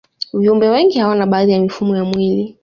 viumbe wengi hawana baadhi ya mifumo ya mwili